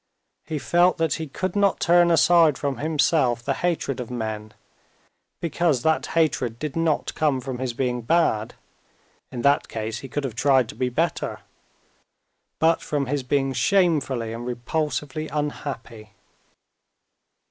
He felt that he could not turn aside from himself the hatred of men, because that hatred did not come from his being bad (in that case he could have tried to be better), but from his being shamefully and repulsively unhappy.